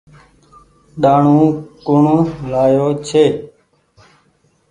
ڏآڻو ڪوڻ لآيو ڇي۔